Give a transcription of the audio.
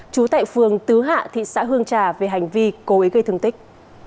trú tại phường tứ hạ thị xã hương trà về hành vi cố ý gây thương tích